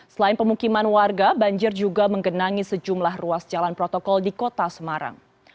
selain pemukiman warga banjir juga menggenangi sejumlah ruas jalan protokol di kota semarang